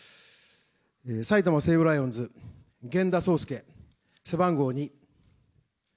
埼玉西武ライオンズ、源田壮亮、背番号２。